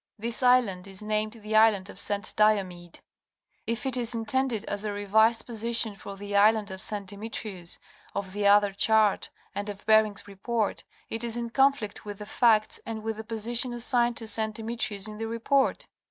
This island is named the island of St. Diomede. If it is intended as a revised position for the island of St. Demetrius of the other chart and of Bering's Report, it is in conflict with the facts and with the position assigned to St. Demetrius in the report.